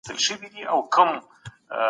د نورو د مقدساتو احترام کول اړين دي.